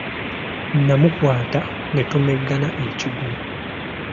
Namukwata ne tumeggana ekiggwo.